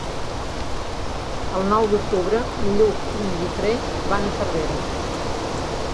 El nou d'octubre en Lluc i en Guifré van a Cervera.